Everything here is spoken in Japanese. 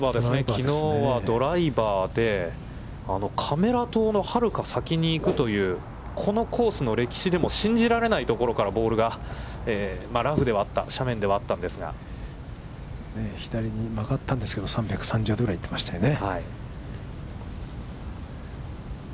きのうはドライバーで、カメラのはるか先に行くというこのコースの歴史でも信じられないところからボールが、ラフではあった、斜面ではあったんですが、左に曲がったんですけど３３０度ぐらい行ってましたね。